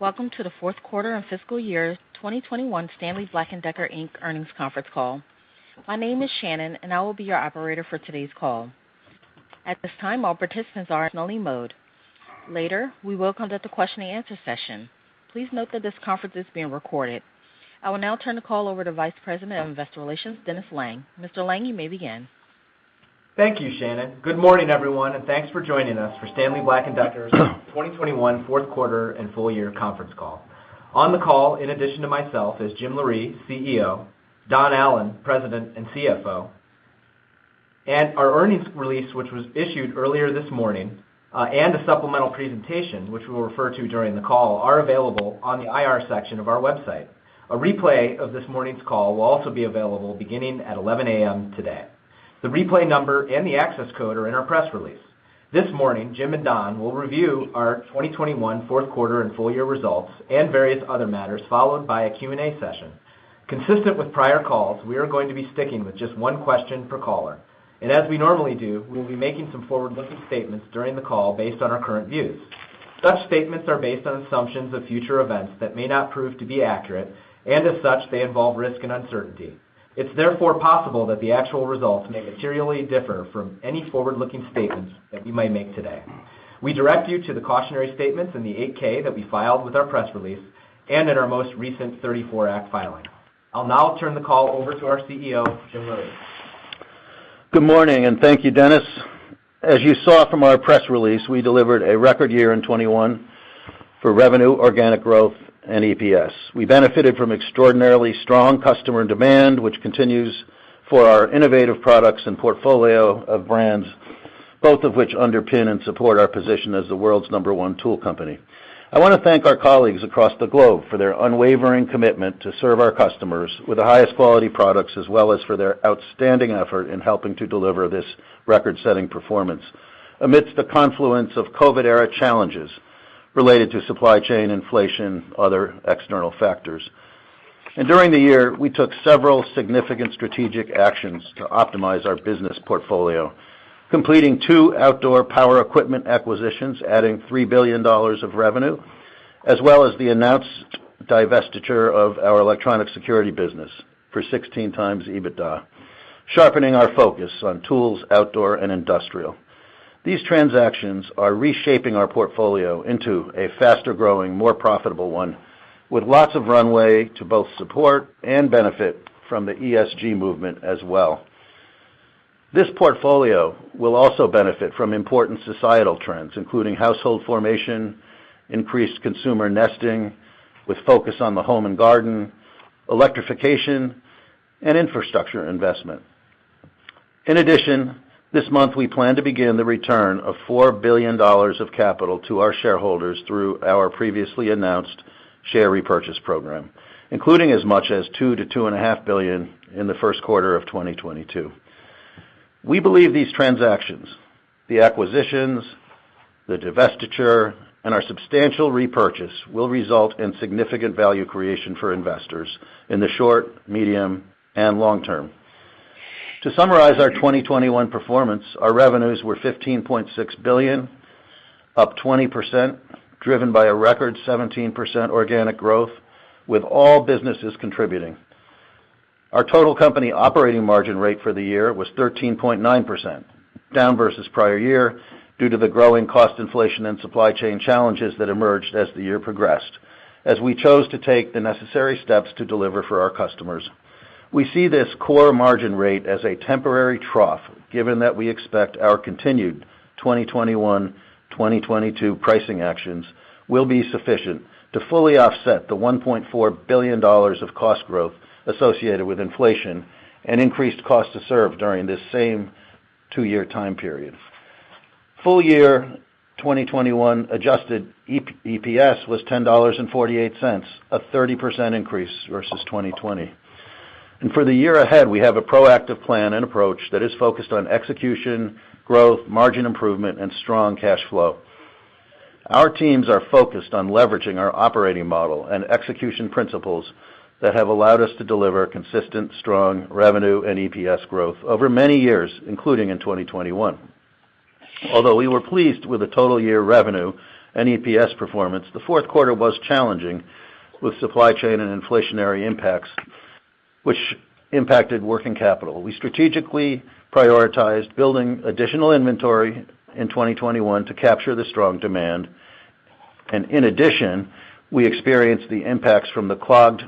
Welcome to the fourth quarter and fiscal year 2021 Stanley Black & Decker, Inc. Earnings Conference Call. My name is Shannon, and I will be your operator for today's call. At this time, all participants are in listen-only mode. Later, we will conduct a question-and-answer session. Please note that this conference is being recorded. I will now turn the call over to Vice President of Investor Relations, Dennis Lange. Mr. Lange, you may begin. Thank you, Shannon. Good morning, everyone, and thanks for joining us for Stanley Black & Decker's 2021 fourth quarter and full year conference call. On the call, in addition to myself, is Jim Loree, CEO, Don Allan, President and CFO. Our earnings release, which was issued earlier this morning, and a supplemental presentation, which we'll refer to during the call, are available on the IR section of our website. A replay of this morning's call will also be available beginning at 11 A.M. today. The replay number and the access code are in our press release. This morning, Jim and Don will review our 2021 fourth quarter and full year results and various other matters, followed by a Q&A session. Consistent with prior calls, we are going to be sticking with just one question per caller. As we normally do, we'll be making some forward-looking statements during the call based on our current views. Such statements are based on assumptions of future events that may not prove to be accurate, and as such, they involve risk and uncertainty. It's therefore possible that the actual results may materially differ from any forward-looking statements that we might make today. We direct you to the cautionary statements in the 8-K that we filed with our press release and in our most recent 1934 Act filing. I'll now turn the call over to our CEO, Jim Loree. Good morning, and thank you, Dennis. As you saw from our press release, we delivered a record year in 2021 for revenue, organic growth, and EPS. We benefited from extraordinarily strong customer demand, which continues for our innovative products and portfolio of brands, both of which underpin and support our position as the world's number one tool company. I wanna thank our colleagues across the globe for their unwavering commitment to serve our customers with the highest quality products as well as for their outstanding effort in helping to deliver this record-setting performance amidst the confluence of COVID era challenges related to supply chain inflation, other external factors. During the year, we took several significant strategic actions to optimize our business portfolio, completing two outdoor power equipment acquisitions, adding $3 billion of revenue, as well as the announced divestiture of our electronic security business for 16x EBITDA, sharpening our focus on tools, outdoor and industrial. These transactions are reshaping our portfolio into a faster growing, more profitable one with lots of runway to both support and benefit from the ESG movement as well. This portfolio will also benefit from important societal trends, including household formation, increased consumer nesting with focus on the home and garden, electrification, and infrastructure investment. In addition, this month, we plan to begin the return of $4 billion of capital to our shareholders through our previously announced share repurchase program, including as much as $2 billion-$2.5 billion in the first quarter of 2022. We believe these transactions, the acquisitions, the divestiture, and our substantial repurchase, will result in significant value creation for investors in the short, medium and long term. To summarize our 2021 performance, our revenues were $15.6 billion, up 20%, driven by a record 17% organic growth with all businesses contributing. Our total company operating margin rate for the year was 13.9%, down versus prior year due to the growing cost inflation and supply chain challenges that emerged as the year progressed, as we chose to take the necessary steps to deliver for our customers. We see this core margin rate as a temporary trough, given that we expect our continued 2021, 2022 pricing actions will be sufficient to fully offset the $1.4 billion of cost growth associated with inflation and increased cost to serve during this same two-year time period. Full year 2021 adjusted EPS was $10.48, a 30% increase versus 2020. For the year ahead, we have a proactive plan and approach that is focused on execution, growth, margin improvement, and strong cash flow. Our teams are focused on leveraging our operating model and execution principles that have allowed us to deliver consistent strong revenue and EPS growth over many years, including in 2021. Although we were pleased with the total year revenue and EPS performance, the fourth quarter was challenging with supply chain and inflationary impacts, which impacted working capital. We strategically prioritized building additional inventory in 2021 to capture the strong demand. In addition, we experienced the impacts from the clogged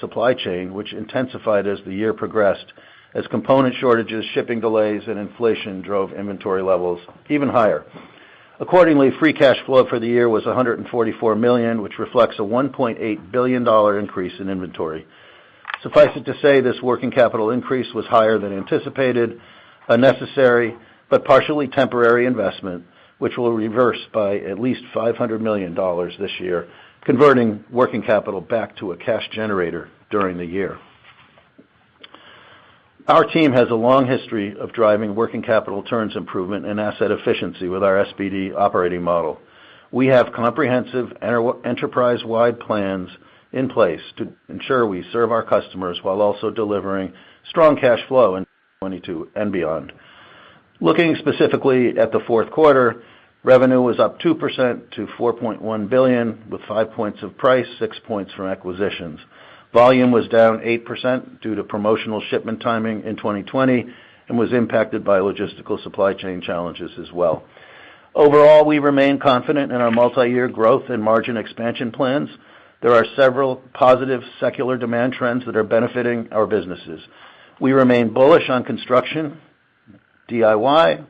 supply chain, which intensified as the year progressed as component shortages, shipping delays and inflation drove inventory levels even higher. Accordingly, free cash flow for the year was $144 million, which reflects a $1.8 billion increase in inventory. Suffice it to say this working capital increase was higher than anticipated, a necessary but partially temporary investment, which will reverse by at least $500 million this year, converting working capital back to a cash generator during the year. Our team has a long history of driving working capital turns improvement and asset efficiency with our SBD Operating Model. We have comprehensive enterprise-wide plans in place to ensure we serve our customers while also delivering strong cash flow in 2022 and beyond. Looking specifically at the fourth quarter, revenue was up 2% to $4.1 billion, with five points of price, six points from acquisitions. Volume was down 8% due to promotional shipment timing in 2020, and was impacted by logistical supply chain challenges as well. Overall, we remain confident in our multi-year growth and margin expansion plans. There are several positive secular demand trends that are benefiting our businesses. We remain bullish on construction, DIY,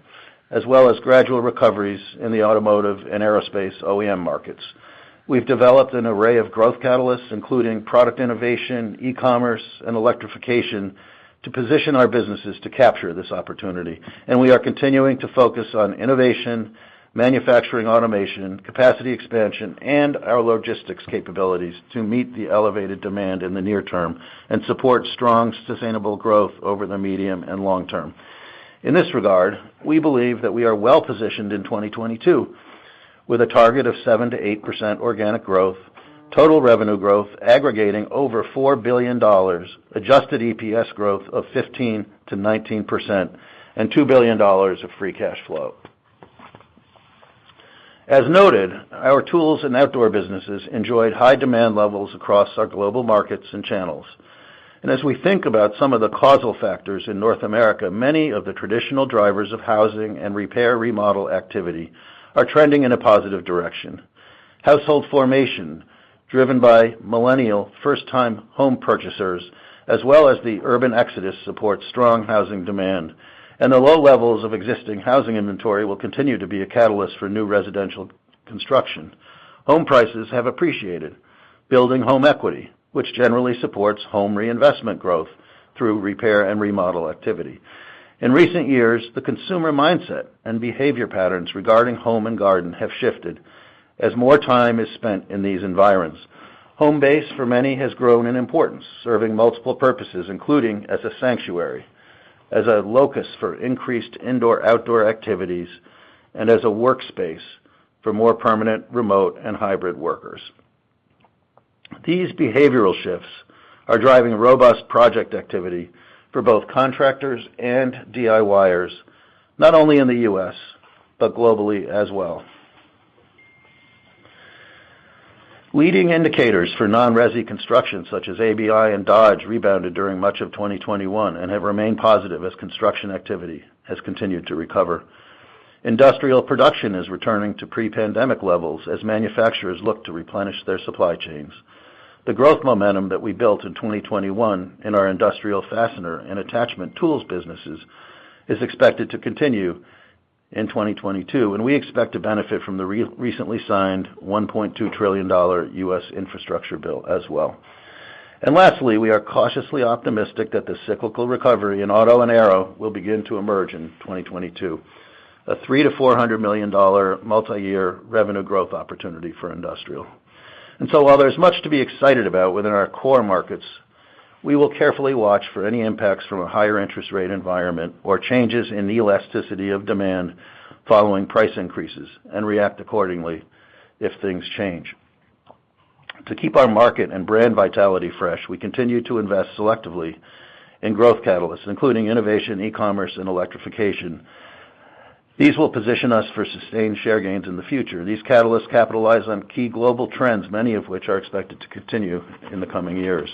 as well as gradual recoveries in the automotive and aerospace OEM markets. We've developed an array of growth catalysts, including product innovation, e-commerce, and electrification, to position our businesses to capture this opportunity. We are continuing to focus on innovation, manufacturing automation, capacity expansion, and our logistics capabilities to meet the elevated demand in the near term and support strong, sustainable growth over the medium and long term. In this regard, we believe that we are well-positioned in 2022 with a target of 7%-8% organic growth, total revenue growth aggregating over $4 billion, adjusted EPS growth of 15%-19%, and $2 billion of free cash flow. As noted, our tools and outdoor businesses enjoyed high demand levels across our global markets and channels. As we think about some of the causal factors in North America, many of the traditional drivers of housing and repair remodel activity are trending in a positive direction. Household formation, driven by Millennial first-time home purchasers, as well as the urban exodus, support strong housing demand, and the low levels of existing housing inventory will continue to be a catalyst for new residential construction. Home prices have appreciated, building home equity, which generally supports home reinvestment growth through repair and remodel activity. In recent years, the consumer mindset and behavior patterns regarding home and garden have shifted as more time is spent in these environs. Home base for many has grown in importance, serving multiple purposes, including as a sanctuary, as a locus for increased indoor-outdoor activities, and as a workspace for more permanent remote and hybrid workers. These behavioral shifts are driving robust project activity for both contractors and DIYers, not only in the U.S., but globally as well. Leading indicators for non-resi construction, such as ABI and Dodge, rebounded during much of 2021 and have remained positive as construction activity has continued to recover. Industrial production is returning to pre-pandemic levels as manufacturers look to replenish their supply chains. The growth momentum that we built in 2021 in our industrial fastener and attachment tools businesses is expected to continue in 2022, and we expect to benefit from the recently signed $1.2 trillion U.S. infrastructure bill as well. Lastly, we are cautiously optimistic that the cyclical recovery in auto and aero will begin to emerge in 2022, a $300 million-$400 million multi-year revenue growth opportunity for industrial. While there's much to be excited about within our core markets, we will carefully watch for any impacts from a higher interest rate environment or changes in the elasticity of demand following price increases and react accordingly if things change. To keep our market and brand vitality fresh, we continue to invest selectively in growth catalysts, including innovation, e-commerce, and electrification. These will position us for sustained share gains in the future. These catalysts capitalize on key global trends, many of which are expected to continue in the coming years.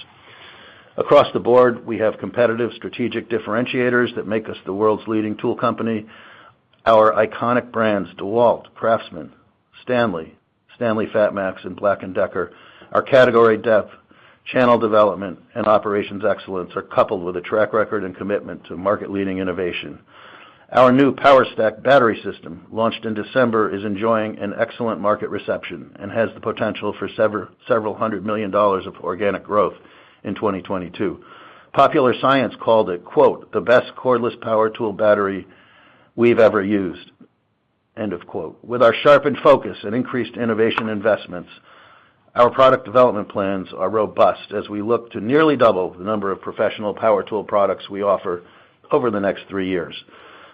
Across the board, we have competitive strategic differentiators that make us the world's leading tool company. Our iconic brands, DEWALT, CRAFTSMAN, STANLEY FATMAX, and BLACK+DECKER, our category depth, channel development, and operations excellence are coupled with a track record and commitment to market-leading innovation. Our new POWERSTACK battery system, launched in December, is enjoying an excellent market reception and has the potential for several hundred million dollars of organic growth in 2022. Popular Science called it, quote, "the best cordless power tool battery we've ever used." End of quote. With our sharpened focus and increased innovation investments, our product development plans are robust as we look to nearly double the number of professional power tool products we offer over the next three years.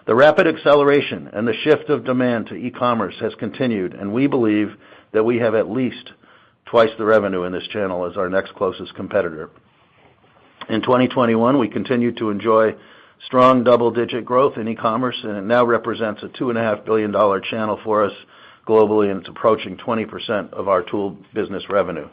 The rapid acceleration and the shift of demand to e-commerce has continued, and we believe that we have at least twice the revenue in this channel as our next closest competitor. In 2021, we continued to enjoy strong double-digit growth in e-commerce, and it now represents a $2.5 billion channel for us globally, and it's approaching 20% of our tool business revenue.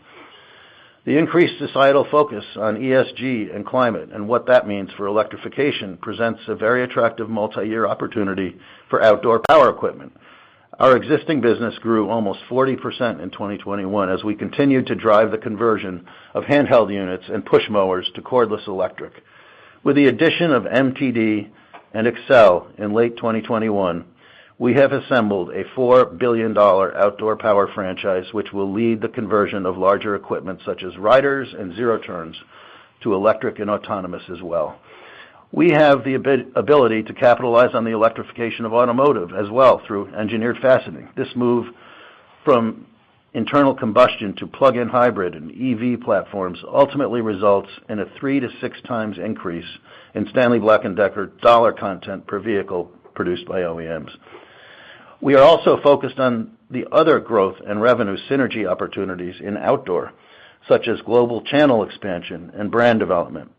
The increased societal focus on ESG and climate and what that means for electrification presents a very attractive multi-year opportunity for outdoor power equipment. Our existing business grew almost 40% in 2021 as we continued to drive the conversion of handheld units and push mowers to cordless electric. With the addition of MTD and Exmark in late 2021, we have assembled a $4 billion outdoor power franchise, which will lead the conversion of larger equipment such as riders and zero-turns to electric and autonomous as well. We have the ability to capitalize on the electrification of automotive as well through engineered fastening. This move from internal combustion to plug-in hybrid and EV platforms ultimately results in a 3x-6x increase in Stanley Black & Decker dollar content per vehicle produced by OEMs. We are also focused on the other growth and revenue synergy opportunities in outdoor, such as global channel expansion and brand development.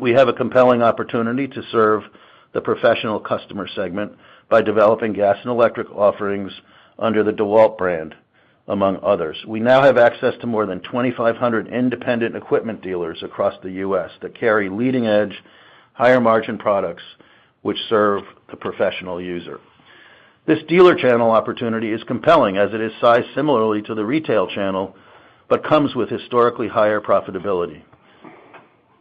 We have a compelling opportunity to serve the professional customer segment by developing gas and electric offerings under the DEWALT brand, among others. We now have access to more than 2,500 independent equipment dealers across the U.S. that carry leading-edge, higher-margin products which serve the professional user. This dealer channel opportunity is compelling as it is sized similarly to the retail channel, but comes with historically higher profitability.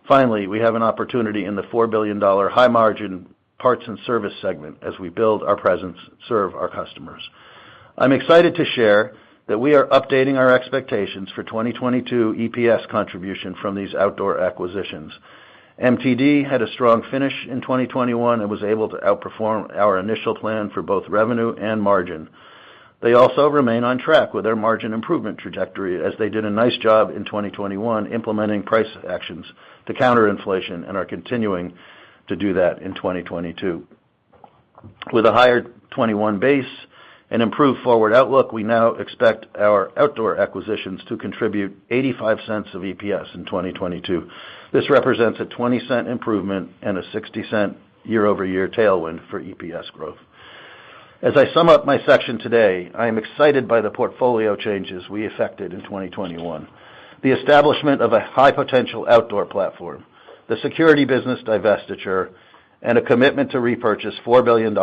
Finally, we have an opportunity in the $4 billion high margin parts and service segment as we build our presence, serve our customers. I'm excited to share that we are updating our expectations for 2022 EPS contribution from these outdoor acquisitions. MTD had a strong finish in 2021 and was able to outperform our initial plan for both revenue and margin. They also remain on track with their margin improvement trajectory as they did a nice job in 2021 implementing price actions to counter inflation and are continuing to do that in 2022. With a higher 2021 base and improved forward outlook, we now expect our outdoor acquisitions to contribute $0.85 of EPS in 2022. This represents a $0.20 improvement and a $0.60 year-over-year tailwind for EPS growth. As I sum up my section today, I am excited by the portfolio changes we effected in 2021. The establishment of a high-potential outdoor platform, the security business divestiture, and a commitment to repurchase $4 billion in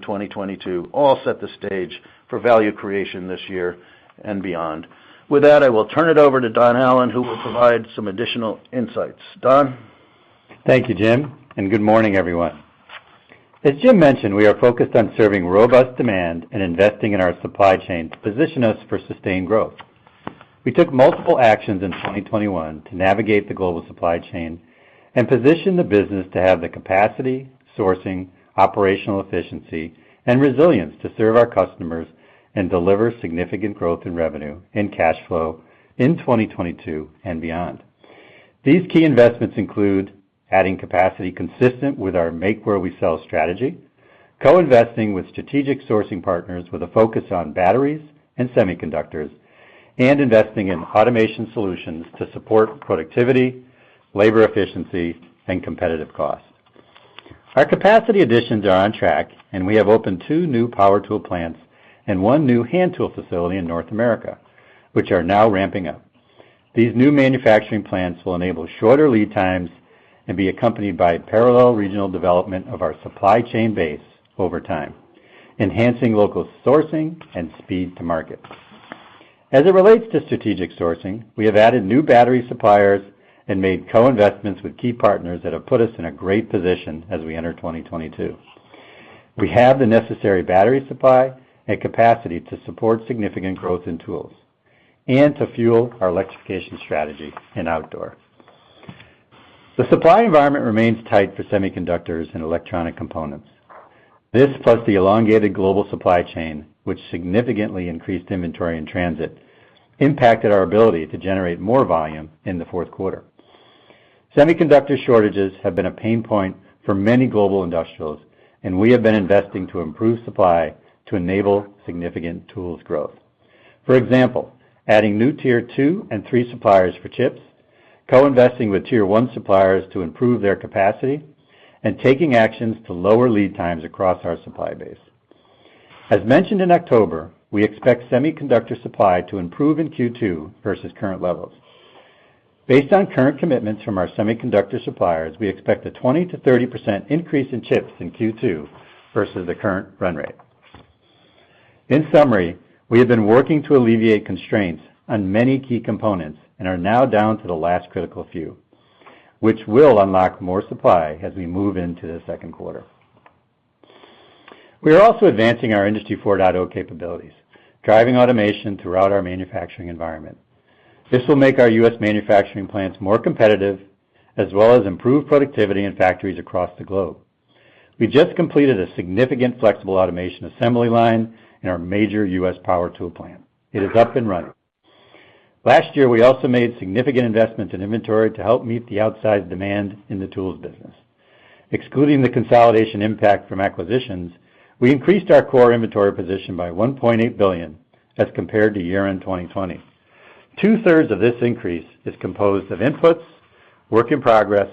2022 all set the stage for value creation this year and beyond. With that, I will turn it over to Don Allan, who will provide some additional insights. Don? Thank you, Jim, and good morning, everyone. As Jim mentioned, we are focused on serving robust demand and investing in our supply chain to position us for sustained growth. We took multiple actions in 2021 to navigate the global supply chain and position the business to have the capacity, sourcing, operational efficiency, and resilience to serve our customers and deliver significant growth in revenue and cash flow in 2022 and beyond. These key investments include adding capacity consistent with our make where we sell strategy, co-investing with strategic sourcing partners with a focus on batteries and semiconductors, and investing in automation solutions to support productivity, labor efficiency, and competitive cost. Our capacity additions are on track, and we have opened two new power tool plants and 1 new hand tool facility in North America, which are now ramping up. These new manufacturing plants will enable shorter lead times and be accompanied by parallel regional development of our supply chain base over time, enhancing local sourcing and speed to market. As it relates to strategic sourcing, we have added new battery suppliers and made co-investments with key partners that have put us in a great position as we enter 2022. We have the necessary battery supply and capacity to support significant growth in tools and to fuel our electrification strategy in outdoor. The supply environment remains tight for semiconductors and electronic components. This, plus the elongated global supply chain, which significantly increased inventory in transit, impacted our ability to generate more volume in the fourth quarter. Semiconductor shortages have been a pain point for many global industrials, and we have been investing to improve supply to enable significant tools growth. For example, adding new tier two and three suppliers for chips, co-investing with tier one suppliers to improve their capacity, and taking actions to lower lead times across our supply base. As mentioned in October, we expect semiconductor supply to improve in Q2 versus current levels. Based on current commitments from our semiconductor suppliers, we expect a 20%-30% increase in chips in Q2 versus the current run rate. In summary, we have been working to alleviate constraints on many key components and are now down to the last critical few, which will unlock more supply as we move into the second quarter. We are also advancing our Industry 4.0 capabilities, driving automation throughout our manufacturing environment. This will make our U.S. manufacturing plants more competitive as well as improve productivity in factories across the globe. We just completed a significant flexible automation assembly line in our major U.S. power tool plant. It is up and running. Last year, we also made significant investments in inventory to help meet the outside demand in the tools business. Excluding the consolidation impact from acquisitions, we increased our core inventory position by $1.8 billion as compared to year-end 2020. 2/3 of this increase is composed of inputs, work in progress,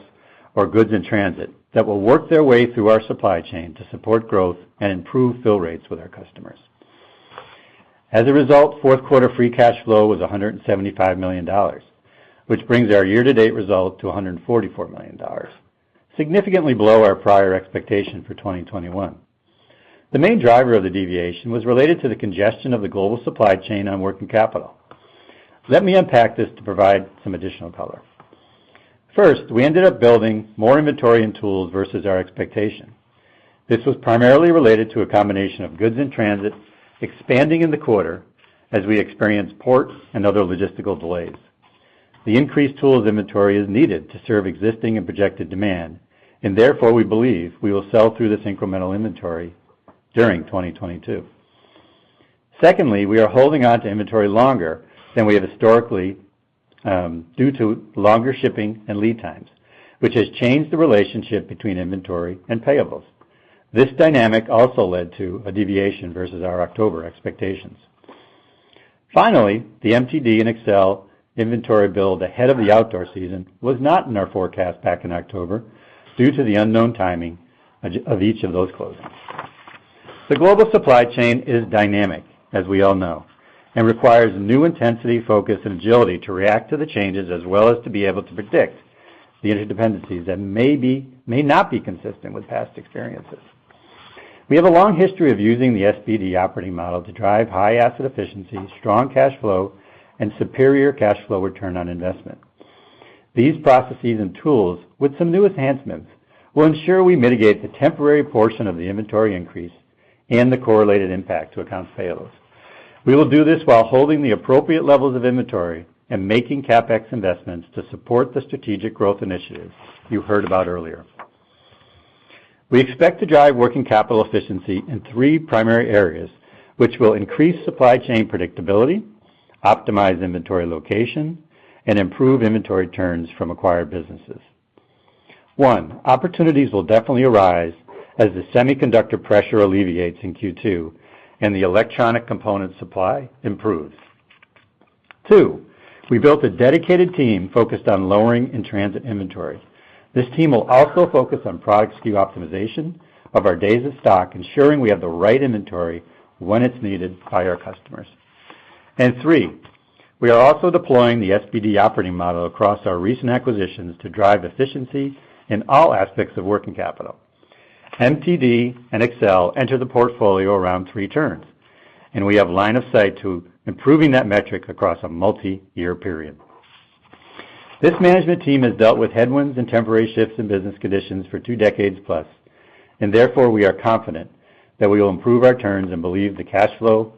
or goods in transit that will work their way through our supply chain to support growth and improve fill rates with our customers. As a result, fourth quarter free cash flow was $175 million, which brings our year-to-date result to $144 million, significantly below our prior expectation for 2021. The main driver of the deviation was related to the congestion of the global supply chain on working capital. Let me unpack this to provide some additional color. First, we ended up building more inventory and tools versus our expectation. This was primarily related to a combination of goods in transit expanding in the quarter as we experienced ports and other logistical delays. The increased tools inventory is needed to serve existing and projected demand. Therefore, we believe we will sell through this incremental inventory during 2022. Secondly, we are holding on to inventory longer than we have historically, due to longer shipping and lead times, which has changed the relationship between inventory and payables. This dynamic also led to a deviation versus our October expectations. Finally, the MTD and Excel inventory build ahead of the outdoor season was not in our forecast back in October due to the unknown timing of each of those closings. The global supply chain is dynamic, as we all know, and requires new intensity, focus, and agility to react to the changes, as well as to be able to predict the interdependencies that may not be consistent with past experiences. We have a long history of using the SBD Operating Model to drive high asset efficiency, strong cash flow, and superior cash flow return on investment. These processes and tools, with some new enhancements, will ensure we mitigate the temporary portion of the inventory increase and the correlated impact to accounts payables. We will do this while holding the appropriate levels of inventory and making CapEx investments to support the strategic growth initiatives you heard about earlier. We expect to drive working capital efficiency in three primary areas, which will increase supply chain predictability, optimize inventory location, and improve inventory turns from acquired businesses. One, opportunities will definitely arise as the semiconductor pressure alleviates in Q2 and the electronic component supply improves. Two, we built a dedicated team focused on lowering in-transit inventory. This team will also focus on product SKU optimization of our days of stock, ensuring we have the right inventory when it's needed by our customers. Three, we are also deploying the SBD Operating Model across our recent acquisitions to drive efficiency in all aspects of working capital. MTD and Excel enter the portfolio around three turns, and we have line of sight to improving that metric across a multiyear period. This management team has dealt with headwinds and temporary shifts in business conditions for two decades plus, and therefore, we are confident that we will improve our turns and believe the cash flow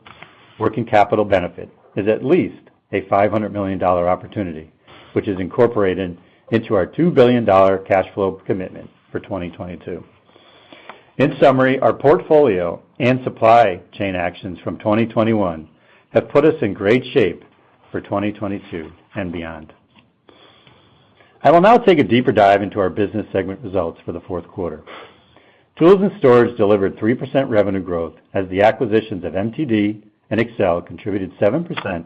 working capital benefit is at least a $500 million opportunity, which is incorporated into our $2 billion cash flow commitment for 2022. In summary, our portfolio and supply chain actions from 2021 have put us in great shape for 2022 and beyond. I will now take a deeper dive into our business segment results for the fourth quarter. Tools & Storage delivered 3% revenue growth as the acquisitions of MTD and Excel contributed 7%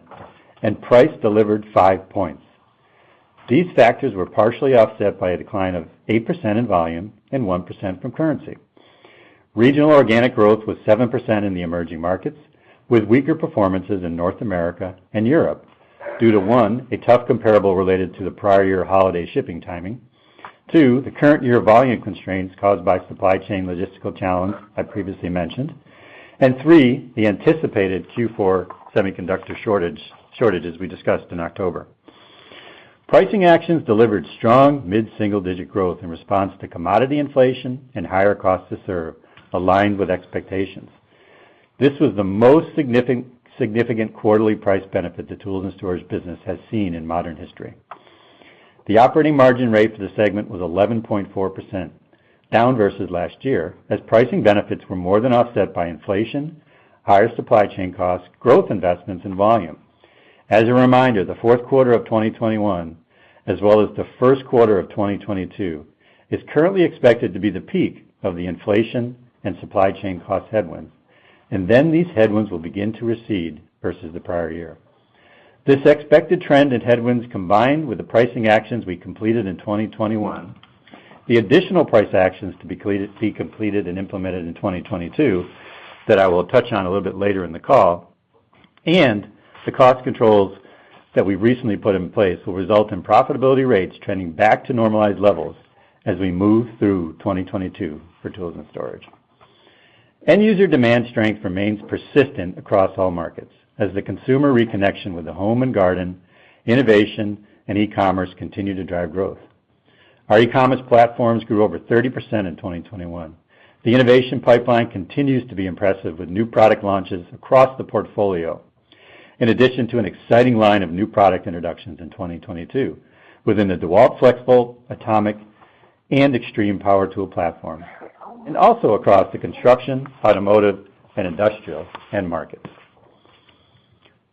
and price delivered 5 points. These factors were partially offset by a decline of 8% in volume and 1% from currency. Regional organic growth was 7% in the emerging markets, with weaker performances in North America and Europe due to one, a tough comparable related to the prior year holiday shipping timing, two, the current year volume constraints caused by supply chain logistical challenge I previously mentioned, and three, the anticipated Q4 semiconductor shortage, shortages we discussed in October. Pricing actions delivered strong mid-single-digit growth in response to commodity inflation and higher cost to serve aligned with expectations. This was the most significant quarterly price benefit the tools and storage business has seen in modern history. The operating margin rate for the segment was 11.4%, down versus last year as pricing benefits were more than offset by inflation, higher supply chain costs, growth investments and volume. As a reminder, the fourth quarter of 2021, as well as the first quarter of 2022, is currently expected to be the peak of the inflation and supply chain cost headwinds, and then these headwinds will begin to recede versus the prior year. This expected trend in headwinds, combined with the pricing actions we completed in 2021, the additional price actions to be completed and implemented in 2022 that I will touch on a little bit later in the call, and the cost controls that we've recently put in place will result in profitability rates trending back to normalized levels as we move through 2022 for tools and storage. End user demand strength remains persistent across all markets as the consumer reconnection with the home and garden, innovation, and e-commerce continue to drive growth. Our e-commerce platforms grew over 30% in 2021. The innovation pipeline continues to be impressive with new product launches across the portfolio in addition to an exciting line of new product introductions in 2022 within the DEWALT FLEXVOLT, DEWALT ATOMIC, and DEWALT XTREME power tool platform, and also across the construction, automotive, and industrial end markets.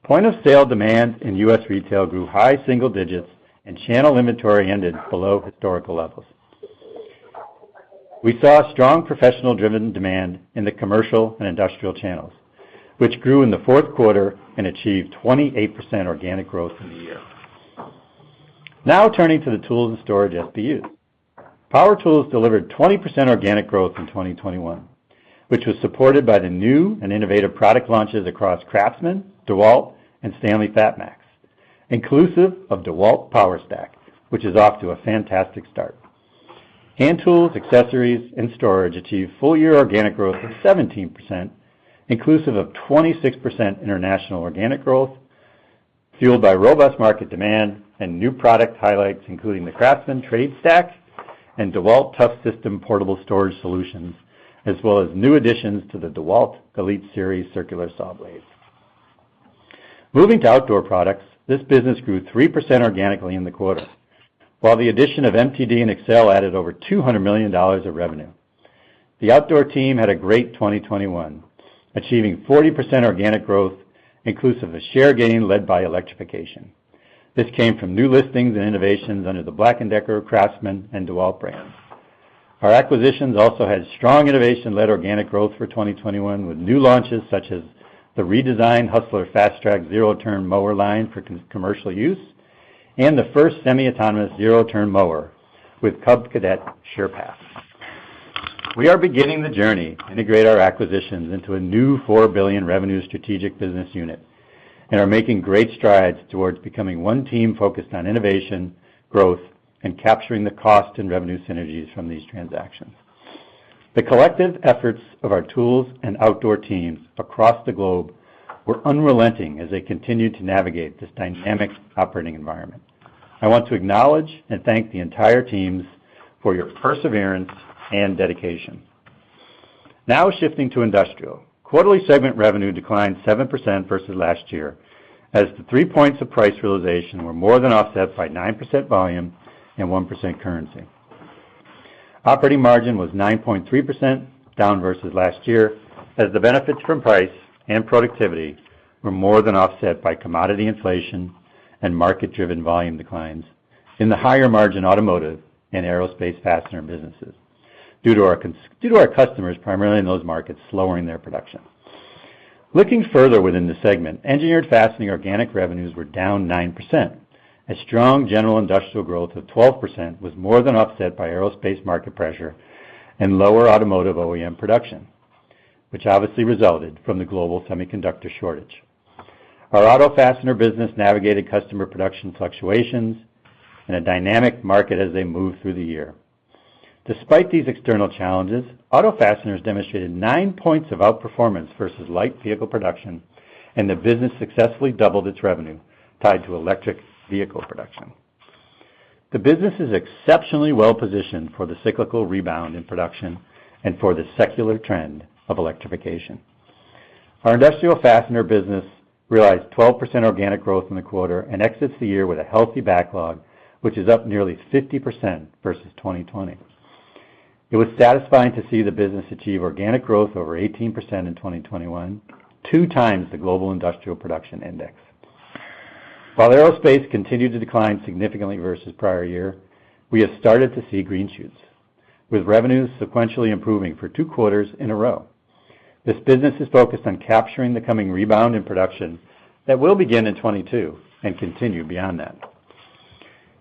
Point-of-sale demand in U.S. retail grew high single digits and channel inventory ended below historical levels. We saw strong professional-driven demand in the commercial and industrial channels, which grew in the fourth quarter and achieved 28% organic growth in the year. Now turning to the tools and storage SBUs. Power tools delivered 20% organic growth in 2021, which was supported by the new and innovative product launches across CRAFTSMAN, DEWALT, and STANLEY FATMAX, inclusive of DEWALT POWERSTACK, which is off to a fantastic start. Hand tools, accessories, and storage achieved full-year organic growth of 17%, inclusive of 26% international organic growth, fueled by robust market demand and new product highlights, including the CRAFTSMAN TRADESTACK and DEWALT TOUGHSYSTEM Portable Storage Solutions, as well as new additions to the DEWALT ELITE SERIES Circular Saw Blades. Moving to outdoor products, this business grew 3% organically in the quarter, while the addition of MTD and Exmark added over $200 million of revenue. The outdoor team had a great 2021, achieving 40% organic growth inclusive of share gain led by electrification. This came from new listings and innovations under the BLACK+DECKER, CRAFTSMAN, and DEWALT brands. Our acquisitions also had strong innovation-led organic growth for 2021, with new launches such as the redesigned Hustler FasTrak zero-turn mower line for commercial use and the first semi-autonomous zero-turn mower with Cub Cadet SurePath. We are beginning the journey to integrate our acquisitions into a new $4 billion revenue strategic business unit and are making great strides towards becoming one team focused on innovation, growth, and capturing the cost and revenue synergies from these transactions. The collective efforts of our tools and outdoor teams across the globe were unrelenting as they continued to navigate this dynamic operating environment. I want to acknowledge and thank the entire teams for your perseverance and dedication. Now shifting to industrial. Quarterly segment revenue declined 7% versus last year, as the 3 points of price realization were more than offset by 9% volume and 1% currency. Operating margin was 9.3% down versus last year, as the benefits from price and productivity were more than offset by commodity inflation and market-driven volume declines in the higher margin automotive and aerospace fastener businesses due to our customers, primarily in those markets, slowing their production. Looking further within the segment, engineered fastening organic revenues were down 9%. A strong general industrial growth of 12% was more than offset by aerospace market pressure and lower automotive OEM production, which obviously resulted from the global semiconductor shortage. Our auto fastener business navigated customer production fluctuations in a dynamic market as they moved through the year. Despite these external challenges, auto fasteners demonstrated 9 points of outperformance versus light vehicle production, and the business successfully doubled its revenue tied to electric vehicle production. The business is exceptionally well-positioned for the cyclical rebound in production and for the secular trend of electrification. Our industrial fastener business realized 12% organic growth in the quarter and exits the year with a healthy backlog, which is up nearly 50% versus 2020. It was satisfying to see the business achieve organic growth over 18% in 2021, two times the global industrial production index. While aerospace continued to decline significantly versus prior year, we have started to see green shoots, with revenues sequentially improving for two quarters in a row. This business is focused on capturing the coming rebound in production that will begin in 2022 and continue beyond that.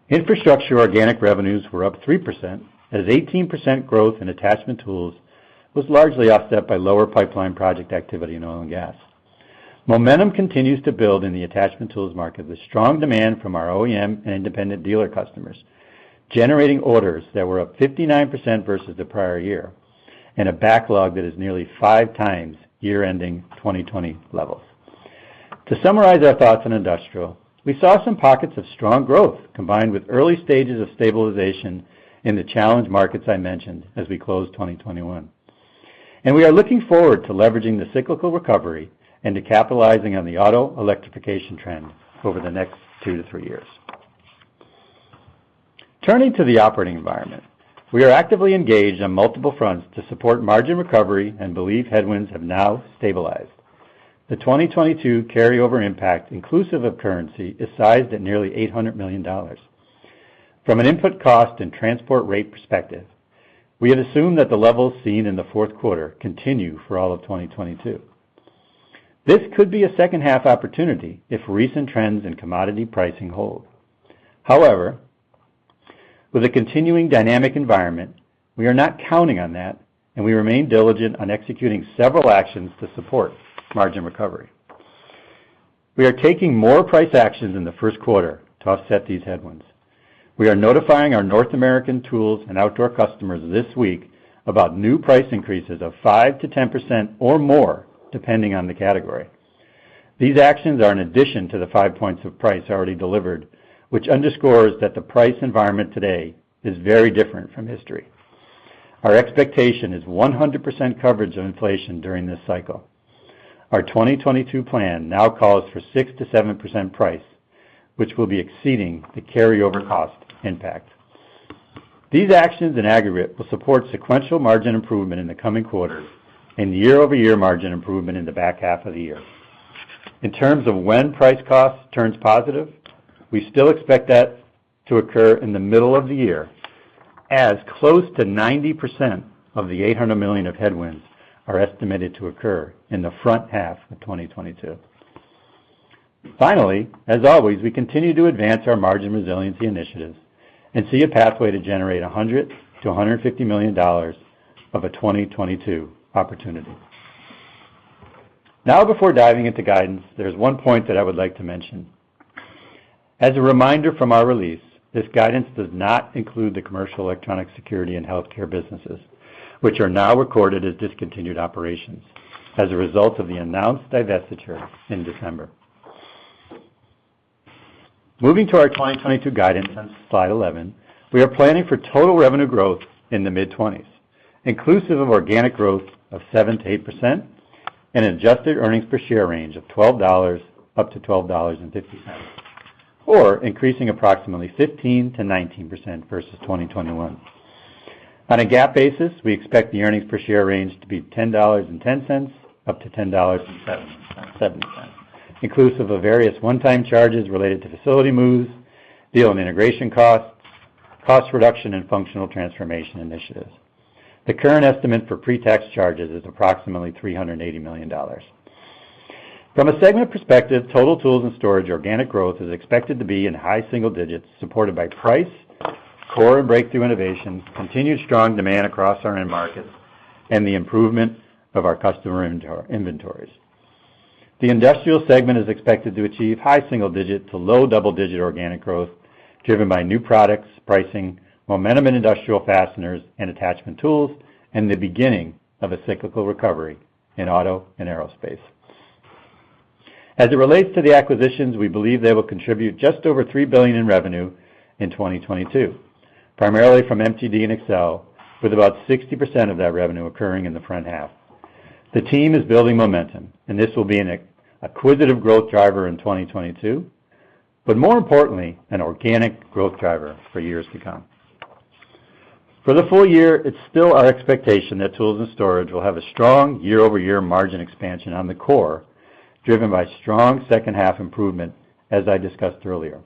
Infrastructure organic revenues were up 3%, as 18% growth in attachment tools was largely offset by lower pipeline project activity in oil and gas. Momentum continues to build in the attachment tools market, with strong demand from our OEM and independent dealer customers, generating orders that were up 59% versus the prior year and a backlog that is nearly 5x year-ending 2020 levels. To summarize our thoughts on industrial, we saw some pockets of strong growth combined with early stages of stabilization in the challenged markets I mentioned as we closed 2021. We are looking forward to leveraging the cyclical recovery into capitalizing on the auto electrification trend over the next two-three years. Turning to the operating environment. We are actively engaged on multiple fronts to support margin recovery and believe headwinds have now stabilized. The 2022 carryover impact, inclusive of currency, is sized at nearly $800 million. From an input cost and transport rate perspective, we had assumed that the levels seen in the fourth quarter continue for all of 2022. This could be a second half opportunity if recent trends in commodity pricing hold. However, with a continuing dynamic environment, we are not counting on that, and we remain diligent on executing several actions to support margin recovery. We are taking more price actions in the first quarter to offset these headwinds. We are notifying our North American tools and outdoor customers this week about new price increases of 5%-10% or more, depending on the category. These actions are in addition to the five points of price already delivered, which underscores that the price environment today is very different from history. Our expectation is 100% coverage of inflation during this cycle. Our 2022 plan now calls for 6%-7% price, which will be exceeding the carryover cost impact. These actions in aggregate will support sequential margin improvement in the coming quarters and year-over-year margin improvement in the back half of the year. In terms of when price cost turns positive, we still expect that to occur in the middle of the year, as close to 90% of the $800 million of headwinds are estimated to occur in the front half of 2022. Finally, as always, we continue to advance our margin resiliency initiatives and see a pathway to generate $100 million-$150 million of a 2022 opportunity. Now, before diving into guidance, there's one point that I would like to mention. As a reminder from our release, this guidance does not include the commercial electronic security and healthcare businesses, which are now recorded as discontinued operations as a result of the announced divestiture in December. Moving to our 2022 guidance on Slide 11, we are planning for total revenue growth in the mid-20s%, inclusive of organic growth of 7%-8% and adjusted earnings per share range of $12-$12.50, or increasing approximately 15%-19% versus 2021. On a GAAP basis, we expect the earnings per share range to be $10.10-$10.77, inclusive of various one-time charges related to facility moves, deal and integration costs, cost reduction and functional transformation initiatives. The current estimate for pre-tax charges is approximately $380 million. From a segment perspective, total tools and storage organic growth is expected to be in high single digits, supported by price, core and breakthrough innovation, continued strong demand across our end markets, and the improvement of our customer inventories. The industrial segment is expected to achieve high single digit to low double-digit organic growth, driven by new products, pricing, momentum in industrial fasteners and attachment tools, and the beginning of a cyclical recovery in auto and aerospace. As it relates to the acquisitions, we believe they will contribute just over $3 billion in revenue in 2022, primarily from MTD and Excel, with about 60% of that revenue occurring in the front half. The team is building momentum, and this will be an acquisitive growth driver in 2022, but more importantly, an organic growth driver for years to come. For the full year, it's still our expectation that tools and storage will have a strong year-over-year margin expansion on the core, driven by strong second half improvement, as I discussed earlier.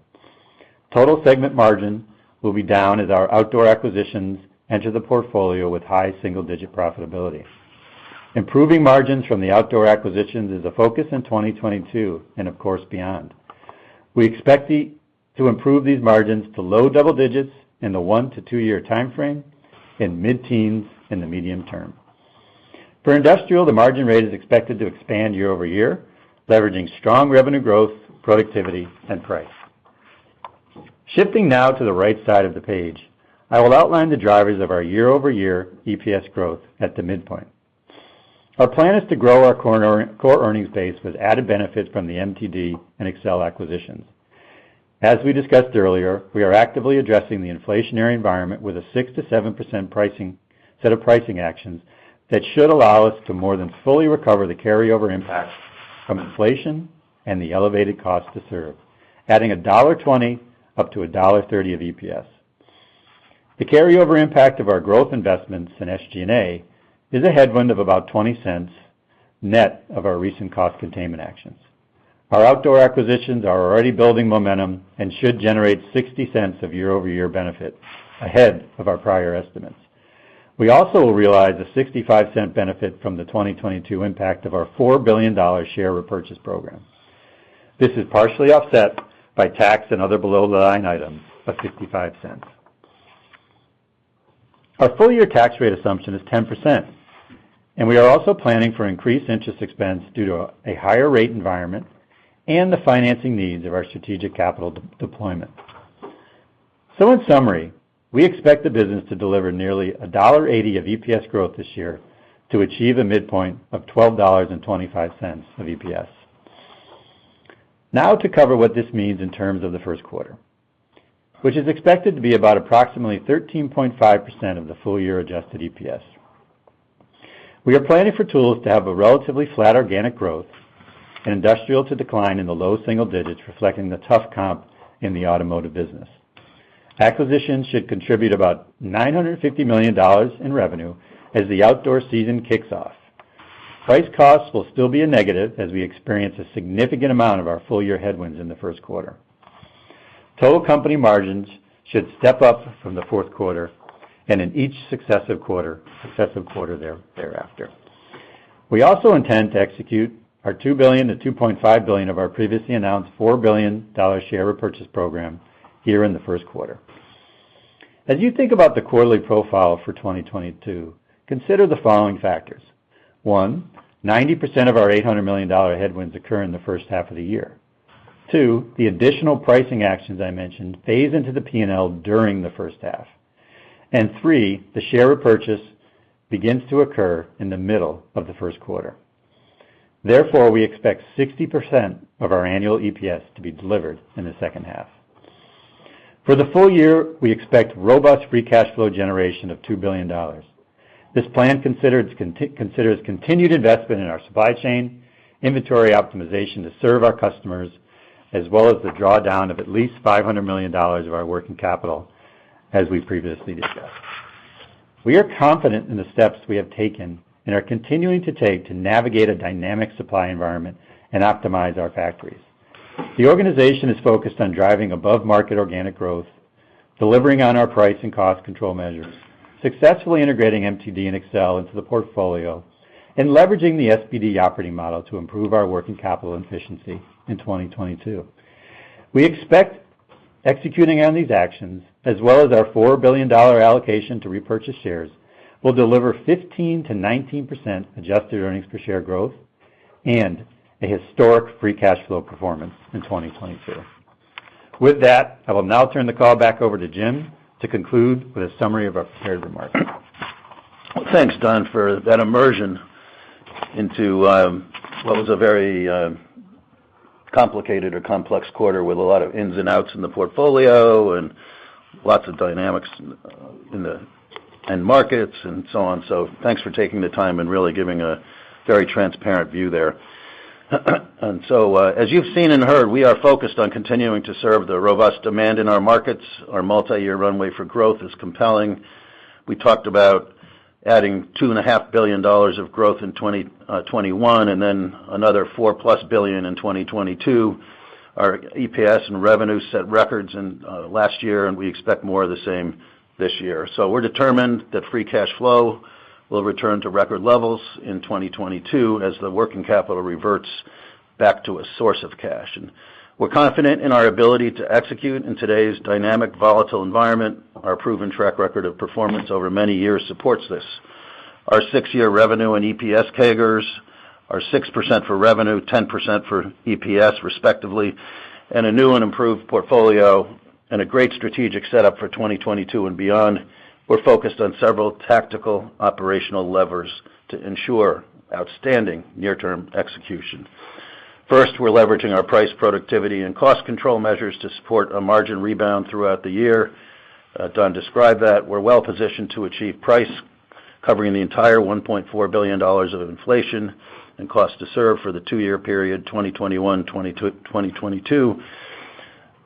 Total segment margin will be down as our outdoor acquisitions enter the portfolio with high single-digit profitability. Improving margins from the outdoor acquisitions is a focus in 2022, and of course, beyond. We expect to improve these margins to low double-digits in the one-two-year timeframe, and mid-teens in the medium term. For industrial, the margin rate is expected to expand year over year, leveraging strong revenue growth, productivity and price. Shifting now to the right side of the page, I will outline the drivers of our year-over-year EPS growth at the midpoint. Our plan is to grow our core earnings base with added benefits from the MTD and Excel acquisitions. As we discussed earlier, we are actively addressing the inflationary environment with a 6%-7% pricing set of pricing actions that should allow us to more than fully recover the carryover impact from inflation and the elevated cost to serve, adding $1.20-$1.30 of EPS. The carryover impact of our growth investments in SG&A is a headwind of about $0.20 net of our recent cost containment actions. Our outdoor acquisitions are already building momentum and should generate $0.60 of year-over-year benefit ahead of our prior estimates. We also will realize a $0.65 benefit from the 2022 impact of our $4 billion share repurchase program. This is partially offset by tax and other below-the-line items of $0.65. Our full year tax rate assumption is 10%, and we are also planning for increased interest expense due to a higher rate environment and the financing needs of our strategic capital de-deployment. In summary, we expect the business to deliver nearly $1.80 of EPS growth this year to achieve a midpoint of $12.25 of EPS. Now to cover what this means in terms of the first quarter, which is expected to be about approximately 13.5% of the full year adjusted EPS. We are planning for tools to have a relatively flat organic growth and industrial to decline in the low single digits, reflecting the tough comp in the automotive business. Acquisitions should contribute about $950 million in revenue as the outdoor season kicks off. Price costs will still be a negative as we experience a significant amount of our full year headwinds in the first quarter. Total company margins should step up from the fourth quarter and in each successive quarter thereafter. We also intend to execute our $2 billion-$2.5 billion of our previously announced $4 billion share repurchase program here in the first quarter. As you think about the quarterly profile for 2022, consider the following factors. One, 90% of our $800 million headwinds occur in the first half of the year. Two, the additional pricing actions I mentioned phase into the P&L during the first half. Three, the share repurchase begins to occur in the middle of the first quarter. Therefore, we expect 60% of our annual EPS to be delivered in the second half. For the full year, we expect robust free cash flow generation of $2 billion. This plan considers continued investment in our supply chain, inventory optimization to serve our customers, as well as the drawdown of at least $500 million of our working capital, as we previously discussed. We are confident in the steps we have taken and are continuing to take to navigate a dynamic supply environment and optimize our factories. The organization is focused on driving above-market organic growth, delivering on our price and cost control measures, successfully integrating MTD and Excel into the portfolio, and leveraging the SBD Operating Model to improve our working capital efficiency in 2022. We expect executing on these actions as well as our $4 billion allocation to repurchase shares will deliver 15%-19% adjusted earnings per share growth and a historic free cash flow performance in 2022. With that, I will now turn the call back over to Jim to conclude with a summary of our prepared remarks. Thanks, Don, for that information. Into what was a very complicated or complex quarter with a lot of ins and outs in the portfolio and lots of dynamics in the markets and so on. Thanks for taking the time and really giving a very transparent view there. As you've seen and heard, we are focused on continuing to serve the robust demand in our markets. Our multi-year runway for growth is compelling. We talked about adding $2.5 billion of growth in 2021 and then another $4+ billion in 2022. Our EPS and revenue set records in last year, and we expect more of the same this year. We're determined that free cash flow will return to record levels in 2022 as the working capital reverts back to a source of cash. We're confident in our ability to execute in today's dynamic, volatile environment. Our proven track record of performance over many years supports this. Our six-year revenue and EPS CAGRs are 6% for revenue, 10% for EPS, respectively, and a new and improved portfolio and a great strategic setup for 2022 and beyond. We're focused on several tactical operational levers to ensure outstanding near-term execution. First, we're leveraging our price productivity and cost control measures to support a margin rebound throughout the year. Don described that. We're well positioned to achieve price, covering the entire $1.4 billion of inflation and cost to serve for the two-year period, 2021-2022.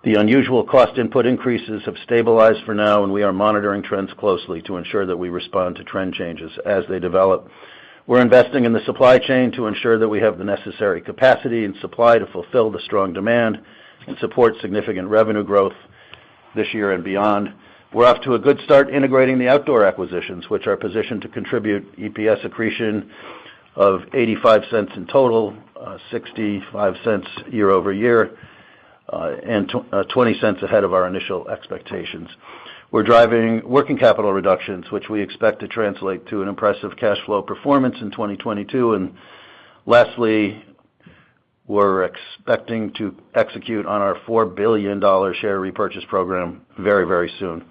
The unusual cost input increases have stabilized for now, and we are monitoring trends closely to ensure that we respond to trend changes as they develop. We're investing in the supply chain to ensure that we have the necessary capacity and supply to fulfill the strong demand and support significant revenue growth this year and beyond. We're off to a good start integrating the outdoor acquisitions, which are positioned to contribute EPS accretion of $0.85 in total, $0.65 year-over-year, and $0.20 ahead of our initial expectations. We're driving working capital reductions, which we expect to translate to an impressive cash flow performance in 2022. Lastly, we're expecting to execute on our $4 billion share repurchase program very, very soon.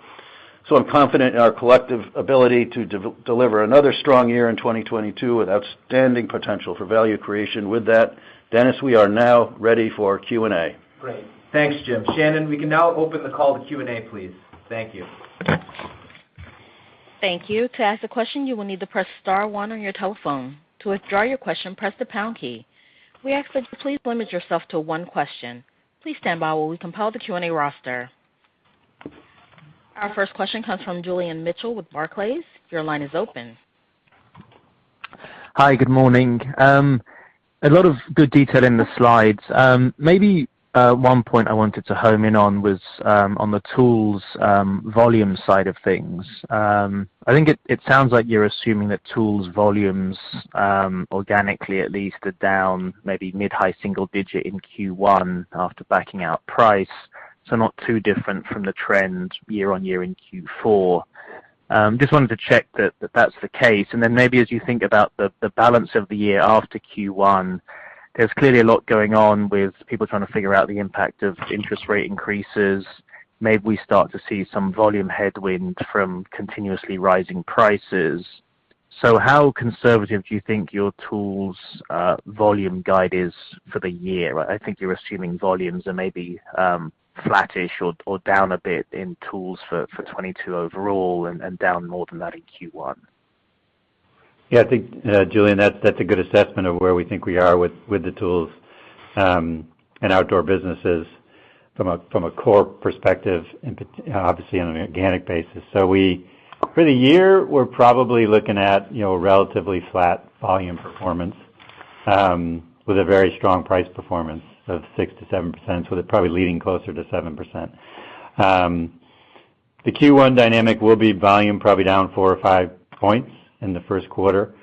I'm confident in our collective ability to deliver another strong year in 2022 with outstanding potential for value creation. With that, Dennis, we are now ready for Q&A. Great. Thanks, Jim. Shannon, we can now open the call to Q&A, please. Thank you. Thank you. To ask a question, you will need to press star one on your telephone. To withdraw your question, press the pound key. We ask that you please limit yourself to one question. Please stand by while we compile the Q&A roster. Our first question comes from Julian Mitchell with Barclays. Your line is open. Hi, good morning. A lot of good detail in the slides. Maybe one point I wanted to hone in on was on the tools volume side of things. I think it sounds like you're assuming that tools volumes organically at least are down maybe mid-high single digit in Q1 after backing out price. Not too different from the trend year-over-year in Q4. Just wanted to check that that's the case. Then maybe as you think about the balance of the year after Q1, there's clearly a lot going on with people trying to figure out the impact of interest rate increases. Maybe we start to see some volume headwind from continuously rising prices. How conservative do you think your tools volume guide is for the year? I think you're assuming volumes are maybe flattish or down a bit in tools for 2022 overall and down more than that in Q1. Yeah, I think, Julian, that's a good assessment of where we think we are with the tools and outdoor businesses from a core perspective and obviously on an organic basis. For the year, we're probably looking at, you know, relatively flat volume performance with a very strong price performance of 6%-7%. They're probably leading closer to 7%. The Q1 dynamic will be volume probably down four or five points in the first quarter,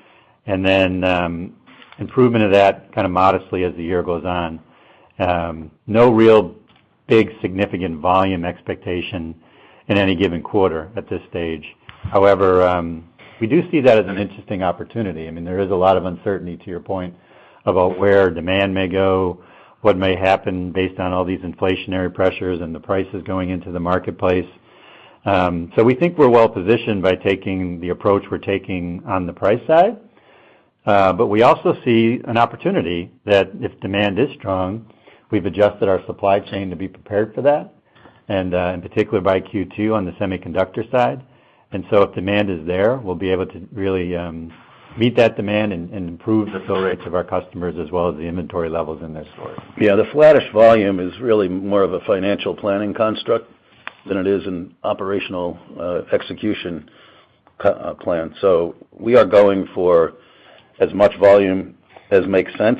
and then improvement of that kinda modestly as the year goes on. No real big significant volume expectation in any given quarter at this stage. However, we do see that as an interesting opportunity. I mean, there is a lot of uncertainty, to your point, about where demand may go, what may happen based on all these inflationary pressures and the prices going into the marketplace. We think we're well-positioned by taking the approach we're taking on the price side. We also see an opportunity that if demand is strong, we've adjusted our supply chain to be prepared for that, and in particular by Q2 on the semiconductor side. If demand is there, we'll be able to really meet that demand and improve the fill rates of our customers as well as the inventory levels in their stores. Yeah, the flattish volume is really more of a financial planning construct than it is an operational execution plan. We are going for as much volume as makes sense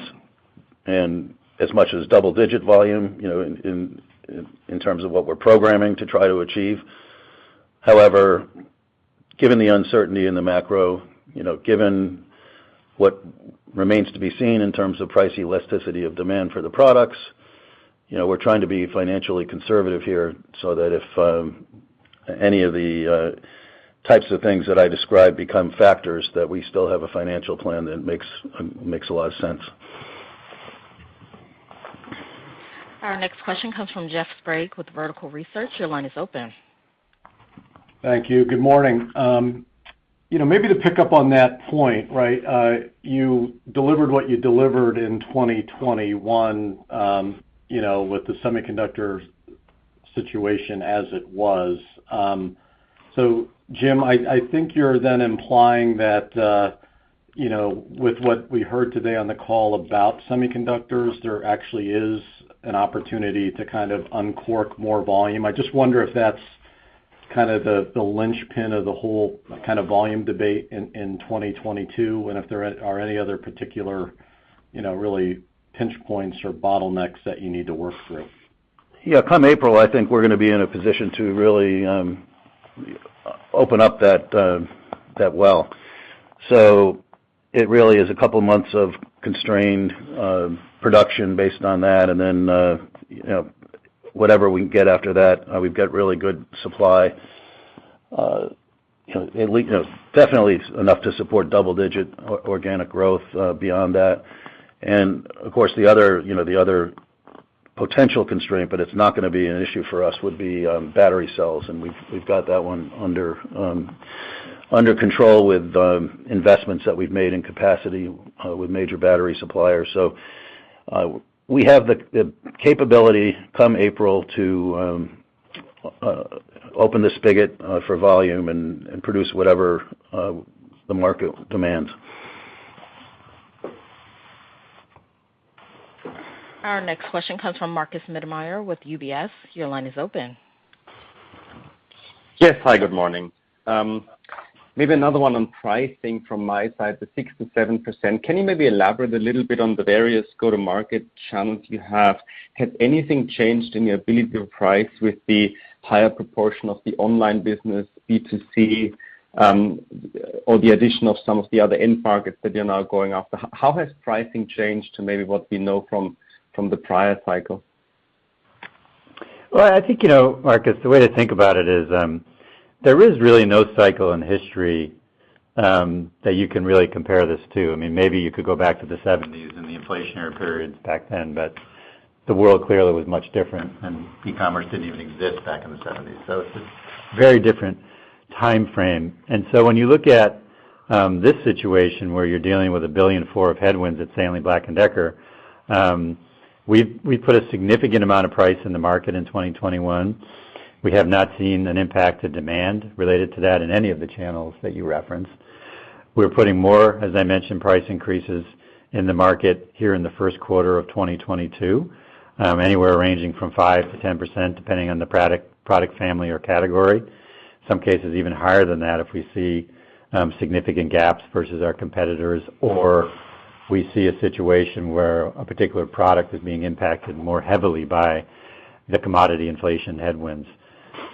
and as much as double-digit volume, you know, in terms of what we're programming to try to achieve. However, given the uncertainty in the macro, you know, given what remains to be seen in terms of price elasticity of demand for the products, you know, we're trying to be financially conservative here so that if any of the types of things that I described become factors, that we still have a financial plan that makes a lot of sense. Our next question comes from Jeff Sprague with Vertical Research. Your line is open. Thank you. Good morning. You know, maybe to pick up on that point, right, you delivered what you delivered in 2021, you know, with the semiconductor situation as it was. Jim, I think you're then implying that, you know, with what we heard today on the call about semiconductors, there actually is an opportunity to kind of uncork more volume. I just wonder if that's kind of the linchpin of the whole kind of volume debate in 2022, and if there are any other particular, you know, really pinch points or bottlenecks that you need to work through. Yeah. Come April, I think we're gonna be in a position to really open up that well. It really is a couple of months of constrained production based on that. Then you know, whatever we can get after that, we've got really good supply. You know, at least you know, definitely enough to support double-digit organic growth beyond that. Of course, the other potential constraint, but it's not gonna be an issue for us, would be battery cells, and we've got that one under control with investments that we've made in capacity with major battery suppliers. We have the capability come April to open the spigot for volume and produce whatever the market demands. Our next question comes from Markus Mittermaier with UBS. Your line is open. Yes. Hi, good morning. Maybe another one on pricing from my side, the 6%-7%. Can you maybe elaborate a little bit on the various go-to-market channels you have? Has anything changed in your ability to price with the higher proportion of the online business, B2C, or the addition of some of the other end markets that you're now going after? How has pricing changed to maybe what we know from the prior cycle? Well, I think, you know, Markus, the way to think about it is, there is really no cycle in history that you can really compare this to. I mean, maybe you could go back to the 1970s and the inflationary periods back then, but the world clearly was much different, and e-commerce didn't even exist back in the 1970s. It's a very different timeframe. When you look at this situation where you're dealing with $1.4 billion of headwinds at Stanley Black & Decker, we've put a significant amount of price in the market in 2021. We have not seen an impact to demand related to that in any of the channels that you referenced. We're putting more, as I mentioned, price increases in the market here in the first quarter of 2022, anywhere ranging from 5%-10%, depending on the product family or category. Some cases even higher than that if we see significant gaps versus our competitors or if we see a situation where a particular product is being impacted more heavily by the commodity inflation headwinds.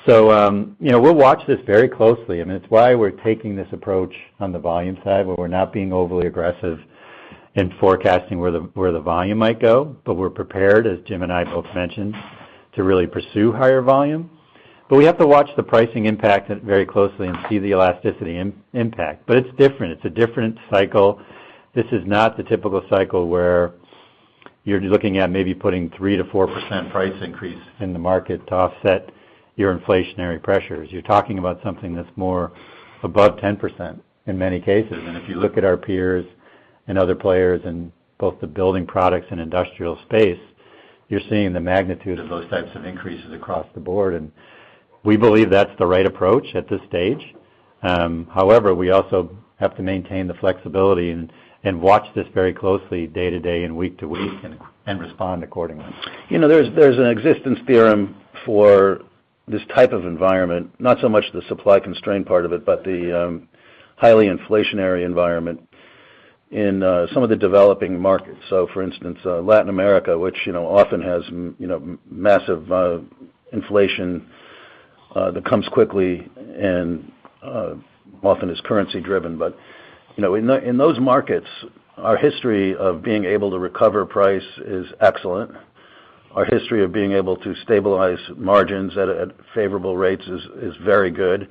You know, we'll watch this very closely, and it's why we're taking this approach on the volume side, where we're not being overly aggressive in forecasting where the volume might go. We're prepared, as Jim and I both mentioned, to really pursue higher volume. We have to watch the pricing impact very closely and see the elasticity impact. It's different. It's a different cycle. This is not the typical cycle where you're looking at maybe putting 3%-4% price increase in the market to offset your inflationary pressures. You're talking about something that's more above 10% in many cases. If you look at our peers and other players in both the building products and industrial space, you're seeing the magnitude of those types of increases across the board. We believe that's the right approach at this stage. However, we also have to maintain the flexibility and watch this very closely day to day and week to week and respond accordingly. You know, there's an existence theorem for this type of environment, not so much the supply constraint part of it, but the highly inflationary environment in some of the developing markets. For instance, Latin America, which you know often has you know massive inflation that comes quickly and often is currency driven. But you know in those markets, our history of being able to recover price is excellent. Our history of being able to stabilize margins at favorable rates is very good.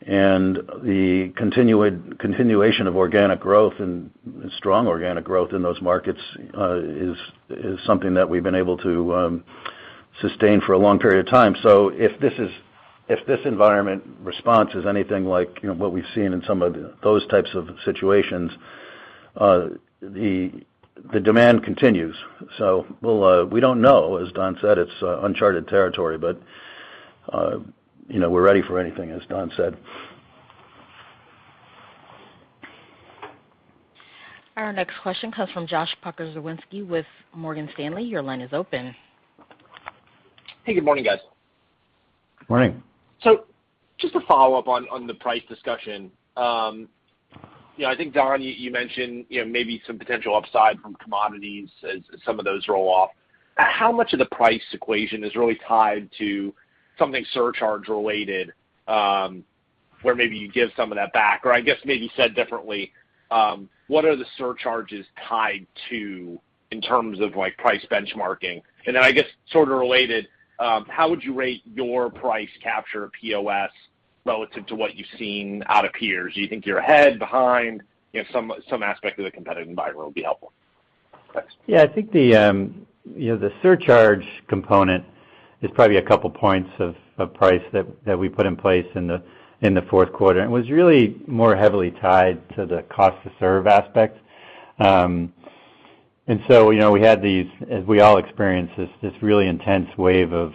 The continuation of organic growth and strong organic growth in those markets is something that we've been able to sustain for a long period of time. If this environmental response is anything like, you know, what we've seen in some of those types of situations, the demand continues. We don't know, as Don said. It's uncharted territory, but you know, we're ready for anything, as Don said. Our next question comes from Josh Pokrzywinski with Morgan Stanley. Your line is open. Hey, good morning, guys. Morning. Just to follow up on the price discussion. You know, I think, Don, you mentioned, you know, maybe some potential upside from commodities as some of those roll-off. How much of the price equation is really tied to something surcharge related, where maybe you give some of that back? Or I guess maybe said differently, what are the surcharges tied to in terms of, like, price benchmarking? And then I guess sort of related, how would you rate your price capture POS? Relative to what you've seen out of peers, do you think you're ahead, behind? You know, some aspect of the competitive environment would be helpful. Thanks. Yeah. I think you know, the surcharge component is probably a couple points of price that we put in place in the fourth quarter, and was really more heavily tied to the cost to serve aspect. You know, we had these, as we all experienced, this really intense wave of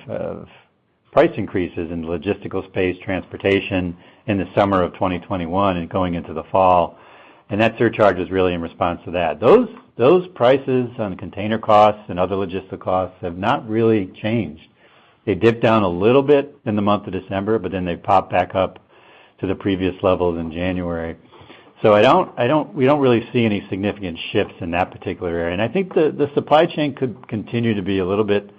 price increases in logistical space transportation in the summer of 2021 and going into the fall. That surcharge was really in response to that. Those prices on container costs and other logistic costs have not really changed. They dipped down a little bit in the month of December, but then they popped back up to the previous levels in January. We don't really see any significant shifts in that particular area. I think the supply chain could continue to be a little bit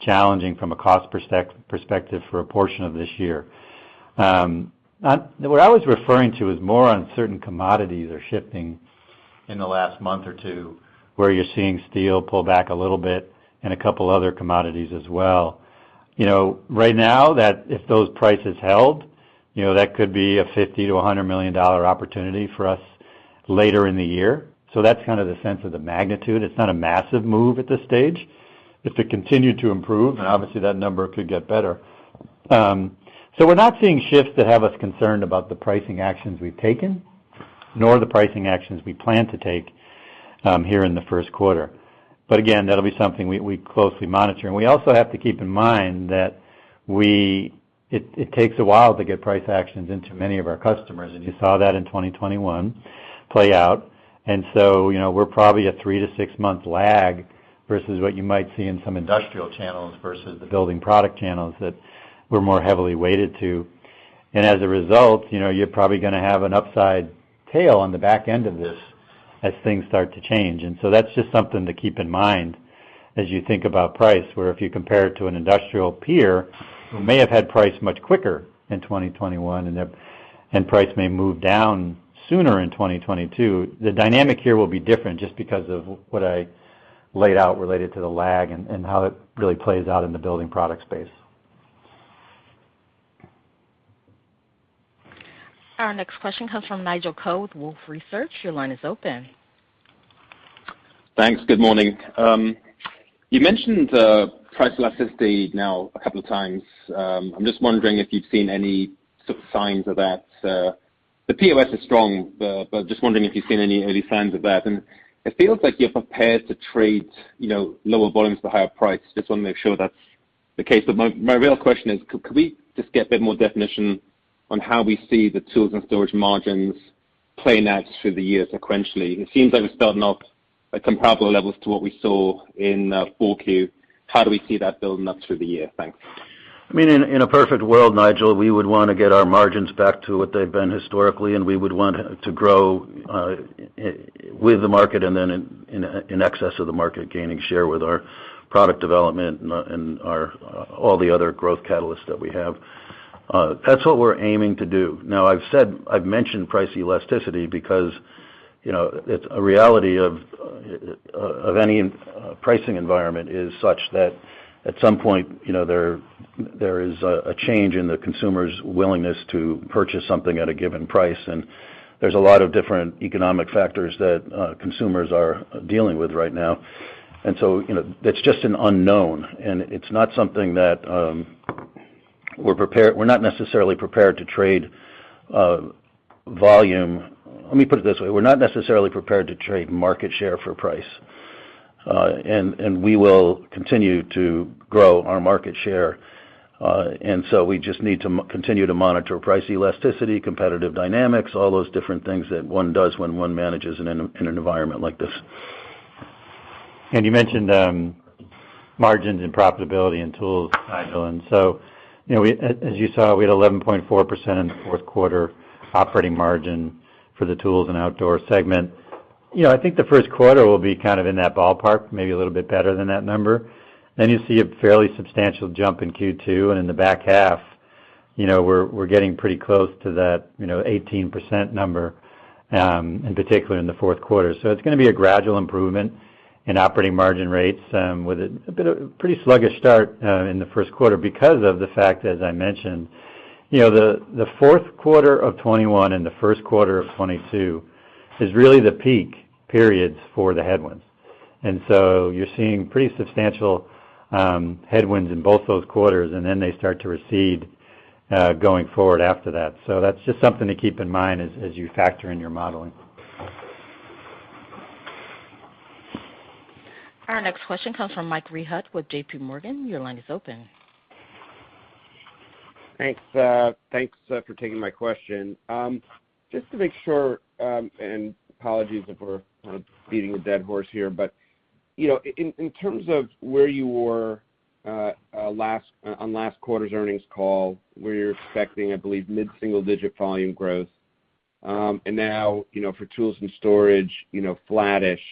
challenging from a cost perspective for a portion of this year. What I was referring to was more on certain commodities are shifting in the last month or two, where you're seeing steel pull back a little bit and a couple other commodities as well. You know, right now, if those prices held, you know, that could be a $50-$100 million opportunity for us later in the year. That's kind of the sense of the magnitude. It's not a massive move at this stage. If they continue to improve, then obviously, that number could get better. We're not seeing shifts that have us concerned about the pricing actions we've taken, nor the pricing actions we plan to take here in the first quarter. Again, that'll be something we closely monitor. We also have to keep in mind that it takes a while to get price actions into many of our customers, and you saw that in 2021 play out. You know, we're probably a 3-6 month lag versus what you might see in some industrial channels versus the building product channels that we're more heavily weighted to. As a result, you know, you're probably gonna have an upside tail on the back end of this as things start to change. That's just something to keep in mind as you think about price, where if you compare it to an industrial peer who may have had price much quicker in 2021 and their price may move down sooner in 2022, the dynamic here will be different just because of what I laid out related to the lag and how it really plays out in the building product space. Our next question comes from Nigel Coe with Wolfe Research. Your line is open. Thanks. Good morning. You mentioned price elasticity now a couple of times. I'm just wondering if you've seen any sort of signs of that. The POS is strong, but just wondering if you've seen any early signs of that. It feels like you're prepared to trade, you know, lower volumes to higher price. Just wanna make sure that's the case. My real question is could we just get a bit more definition on how we see the tools and storage margins playing out through the year sequentially? It seems like we're starting off at comparable levels to what we saw in Q4. How do we see that building up through the year? Thanks. I mean, in a perfect world, Nigel, we would want to get our margins back to what they've been historically, and we would want to grow with the market, and then in excess of the market, gaining share with our product development and all the other growth catalysts that we have. That's what we're aiming to do. Now I've mentioned price elasticity because, you know, it's a reality of any pricing environment is such that at some point, you know, there is a change in the consumer's willingness to purchase something at a given price. There's a lot of different economic factors that consumers are dealing with right now. You know, that's just an unknown, and it's not something that we're not necessarily prepared to trade volume. Let me put it this way, we're not necessarily prepared to trade market share for price. We will continue to grow our market share. We just need to continue to monitor price elasticity, competitive dynamics, all those different things that one does when one manages in an environment like this. You mentioned margins and profitability in tools, Nigel. You know, as you saw, we had 11.4% in the fourth quarter operating margin for the tools and outdoor segment. You know, I think the first quarter will be kind of in that ballpark, maybe a little bit better than that number. Then you see a fairly substantial jump in Q2. In the back half, you know, we're getting pretty close to that, you know, 18% number, in particular in the fourth quarter. It's gonna be a gradual improvement in operating margin rates, with a bit of a pretty sluggish start in the first quarter because of the fact, as I mentioned. The fourth quarter of 2021 and the first quarter of 2022 is really the peak periods for the headwinds. You're seeing pretty substantial headwinds in both those quarters, and then they start to recede, going forward after that. That's just something to keep in mind as you factor in your modeling. Our next question comes from Mike Rehaut with J.P. Morgan. Your line is open. Thanks. Thanks for taking my question. Just to make sure, and apologies if we're kind of beating a dead horse here, but you know, in terms of where you were on last quarter's earnings call, where you're expecting, I believe, mid-single digit volume growth, and now, you know, for tools and storage, you know, flattish.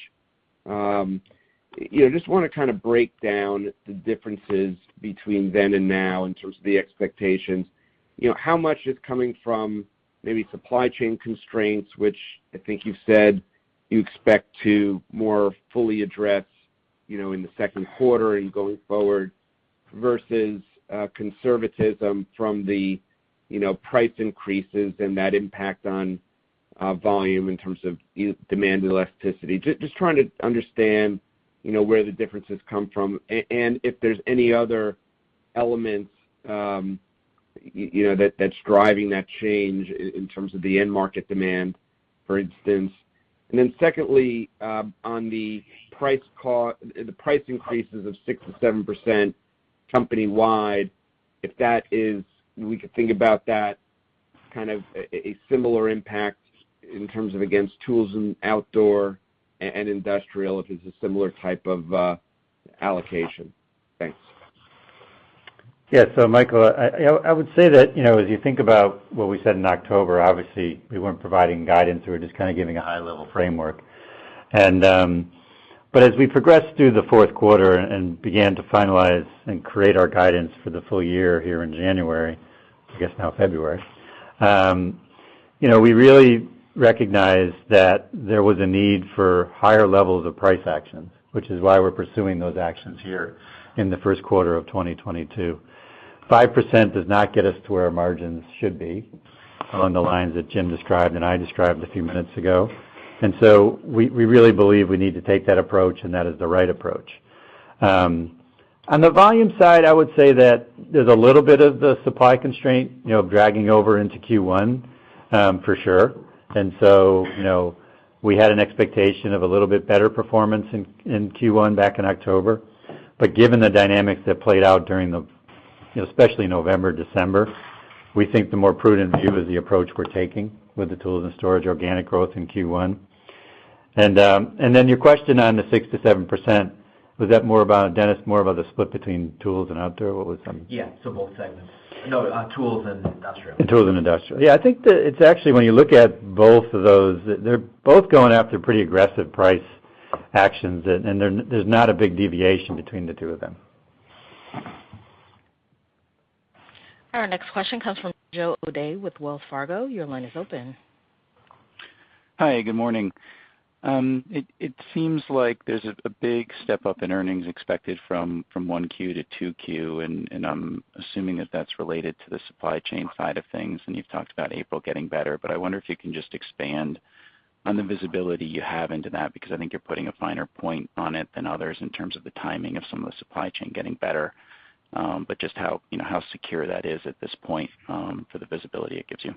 You know, just wanna kind of break down the differences between then and now in terms of the expectations. You know, how much is coming from maybe supply chain constraints, which I think you've said you expect to more fully address. You know, in the second quarter and going forward versus conservatism from the, you know, price increases and that impact on volume in terms of end-demand elasticity. Just trying to understand, you know, where the differences come from, and if there's any other elements, you know, that's driving that change in terms of the end market demand, for instance. Then secondly, on the price increases of 6%-7% company-wide, if that is, we could think about that kind of a similar impact in terms of against tools and outdoor and industrial, if it's a similar type of allocation. Thanks. Yeah. Michael, I would say that, you know, as you think about what we said in October, obviously we weren't providing guidance. We were just kind of giving a high level framework. As we progressed through the fourth quarter and began to finalize and create our guidance for the full year here in January, I guess now February, you know, we really recognized that there was a need for higher levels of price actions, which is why we're pursuing those actions here in the first quarter of 2022. 5% does not get us to where our margins should be, along the lines that Jim described and I described a few minutes ago. We really believe we need to take that approach, and that is the right approach. On the volume side, I would say that there's a little bit of the supply constraint, you know, dragging over into Q1, for sure. You know, we had an expectation of a little bit better performance in Q1 back in October. Given the dynamics that played out during the especially November, December, we think the more prudent view is the approach we're taking with the tools and storage organic growth in Q1. Your question on the 6%-7%, was that more about, Dennis, more about the split between tools and outdoor? What was some- Yeah. Both segments. No, on Tools and Industrial. Tools and Industrial. Yeah. I think that it's actually when you look at both of those, they're both going after pretty aggressive price actions and there's not a big deviation between the two of them. Our next question comes from Joseph O'Dea with Wells Fargo. Your line is open. Hi, good morning. It seems like there's a big step up in earnings expected from 1Q to 2Q, and I'm assuming that that's related to the supply chain side of things. You've talked about April getting better, but I wonder if you can just expand on the visibility you have into that, because I think you're putting a finer point on it than others in terms of the timing of some of the supply chain getting better. But just how you know how secure that is at this point for the visibility it gives you.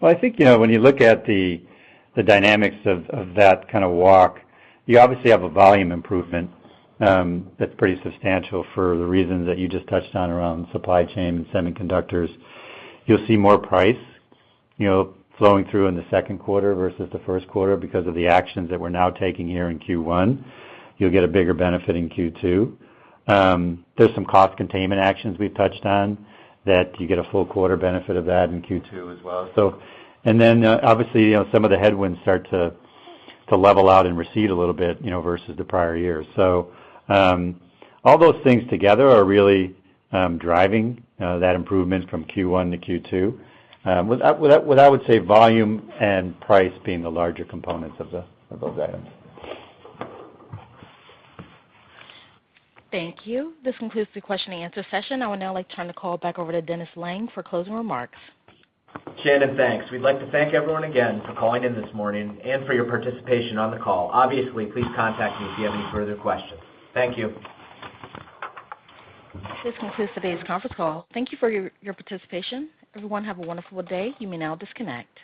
Well, I think, you know, when you look at the dynamics of that kind of walk, you obviously have a volume improvement that's pretty substantial for the reasons that you just touched on around supply chain and semiconductors. You'll see more price, you know, flowing through in the second quarter versus the first quarter because of the actions that we're now taking here in Q1. You'll get a bigger benefit in Q2. There's some cost containment actions we've touched on that you get a full quarter benefit of that in Q2 as well. Obviously, you know, some of the headwinds start to level out and recede a little bit, you know, versus the prior year. All those things together are really driving that improvement from Q1 to Q2. With that, I would say volume and price being the larger components of those items. Thank you. This concludes the question and answer session. I would now like to turn the call back over to Dennis Lange for closing remarks. Shannon, thanks. We'd like to thank everyone again for calling in this morning and for your participation on the call. Obviously, please contact me if you have any further questions. Thank you. This concludes today's conference call. Thank you for your participation. Everyone, have a wonderful day. You may now disconnect.